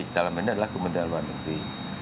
dalam ini adalah kementerian luar negeri